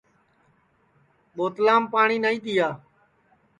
بوتلام پاٹؔی نائی تِیا